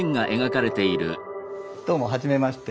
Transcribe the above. どうもはじめまして。